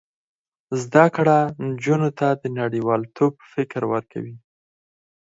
زده کړه نجونو ته د نړیوالتوب فکر ورکوي.